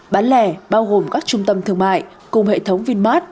bán lẻ bao gồm các trung tâm thương mại cùng hệ thống vinmart